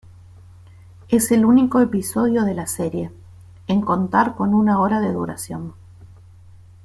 Es el único episodio de la serie, en contar con una hora de duración.